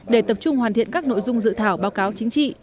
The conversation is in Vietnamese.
để tập trung hoàn thiện các nội dung dự thảo báo cáo chính trị